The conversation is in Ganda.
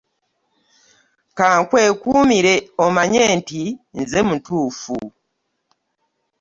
Ka nkwekuumire omanye nti nze mutuufu.